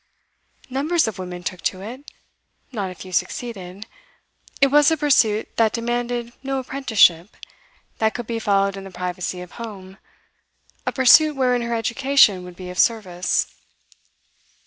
Numbers of women took to it; not a few succeeded. It was a pursuit that demanded no apprenticeship, that could be followed in the privacy of home, a pursuit wherein her education would be of service.